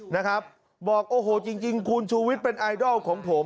นะครับบอกโอ้โหจริงคุณชูวิทย์เป็นไอดอลของผม